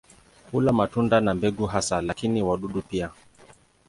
Hula matunda na mbegu hasa, lakini wadudu pia.